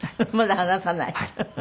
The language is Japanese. まだ離さない？